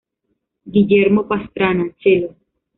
Guillermo Pastrana: chelo.